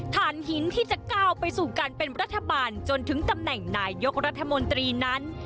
ฐานหินที่จะก้าวไปสู่การเป็นรัฐบาลจนถึงตำแหน่งนายยกรัฐมนตรีนั้น